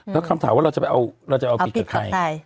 แล้วคำถามว่าเราจะเอาอาวิทธิ์กับใคร